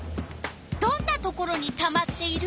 どんなところにたまっている？